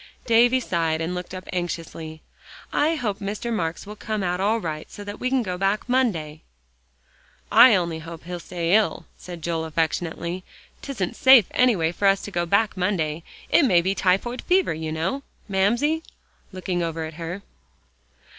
Davie sighed, and looked up anxiously. "I hope Mr. Marks will come out all right so that we can go back Monday." "I only hope he'll stay ill," said Joel affectionately. "'Tisn't safe anyway for us to go back Monday. It may be typhoid fever, you know, Mamsie," looking over at her.